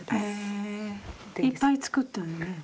いっぱい作ったのね。